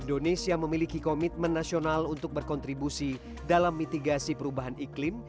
indonesia memiliki komitmen nasional untuk berkontribusi dalam mitigasi perubahan iklim